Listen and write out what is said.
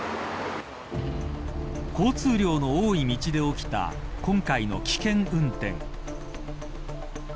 交通量の多い道で起きた今回の危険運転。